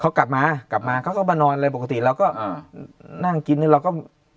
เขากลับมากลับมาเขาก็มานอนอะไรปกติแล้วก็นั่งกินเราก็